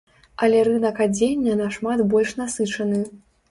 Але рынак адзення нашмат больш насычаны.